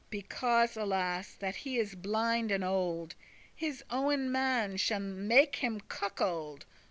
Because, alas! that he is blind and old, His owen man shall make him cuckold.